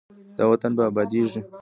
دا وطن به ابادیږي.